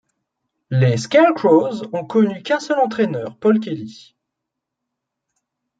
Les ScareCrows ont connu qu'un seul entraîneur Paul Kelly.